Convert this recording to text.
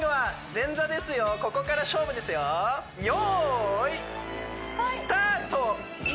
ここから勝負ですよよーいっスタート！